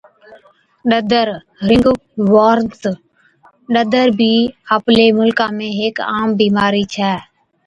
ڏَدر Ring worms، ڏَدر بِي آپلي مُلڪا ۾ هيڪ عام بِيمارِي ڇَي